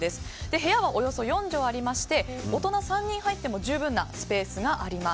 部屋はおよそ４畳ありまして大人３人入っても十分なスペースがあります。